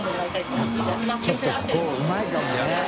笋辰ちょっとここうまいかもね。